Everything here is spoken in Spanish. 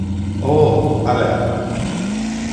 oh... ¡ hala!